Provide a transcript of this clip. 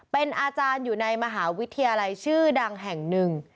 เป็นอาจารย์อยู่ในมหาวิทยาลัยชื่อดังแห่งหนึ่ง